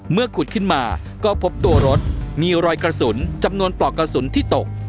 ขุดขึ้นมาก็พบตัวรถมีรอยกระสุนจำนวนปลอกกระสุนที่ตก